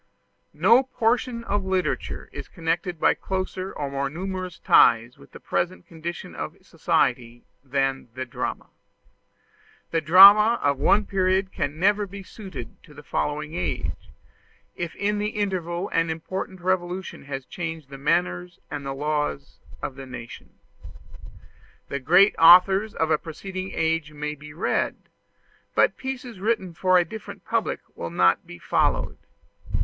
No portion of literature is connected by closer or more numerous ties with the present condition of society than the drama. The drama of one period can never be suited to the following age, if in the interval an important revolution has changed the manners and the laws of the nation. The great authors of a preceding age may be read; but pieces written for a different public will not be followed.